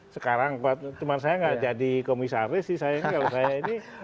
sekarang teman saya gak jadi komisaris sih sayangnya kalau saya ini